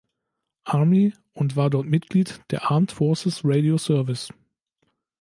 Army und war dort Mitglied des Armed Forces Radio Service.